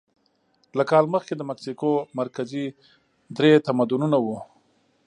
له کال مخکې د مکسیکو مرکزي درې تمدنونه وو.